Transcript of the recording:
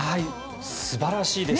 素晴らしいです。